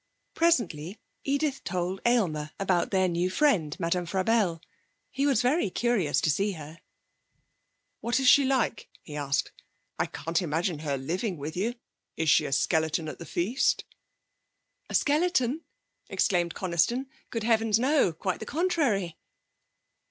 Presently Edith told Aylmer about their new friend, Madame Frabelle. He was very curious to see her. 'What is she like?' he asked. 'I can't imagine her living with you. Is she a skeleton at the feast?' 'A skeleton!' exclaimed Coniston. 'Good heavens no! Quite the contrary.'